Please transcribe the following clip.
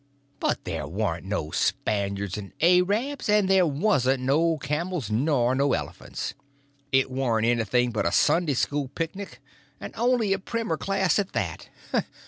But there warn't no Spaniards and A rabs, and there warn't no camels nor no elephants. It warn't anything but a Sunday school picnic, and only a primer class at that.